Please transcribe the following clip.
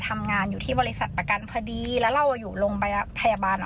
ทำงานอยู่ที่บริษัทประกันพอดีแล้วเราอยู่โรงพยาบาลพยาบาลอ่ะ